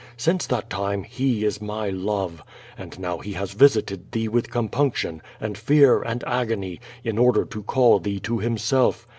Since that time He is my love. And now He has visited thee with compunc QVO VAD18. 459 tion, and fear, and agony, in order to call thee to Himself.